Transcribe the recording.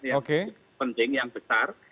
yang penting yang besar